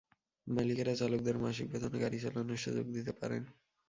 মালিকেরা চালকদের মাসিক বেতনে গাড়ি চালানোর সুযোগ দিতে পারেন।